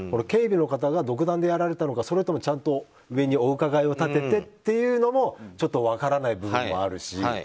警備の方が独断でやられたのかちゃんと上にお伺いを立ててっていうのもちょっと分からない部分もあるし。